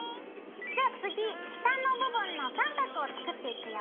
じゃあ次下の部分の三角を作っていくよ。